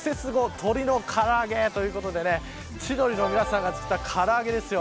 鳥のからあげということで千鳥の皆さんが作ったからあげですよ。